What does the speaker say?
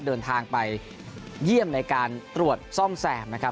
เดินทางไปเยี่ยมในการตรวจซ่อมแซมนะครับ